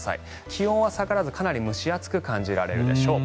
気温は下がらずかなり蒸し暑く感じられるでしょう。